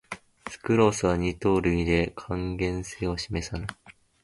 スクロースは二糖類で還元性を示さない